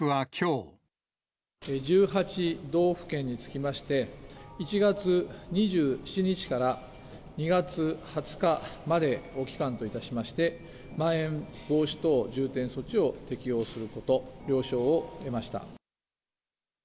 １８道府県につきまして、１月２７日から２月２０日までを期間といたしまして、まん延防止等重点措置を適用すること、了承を得ました。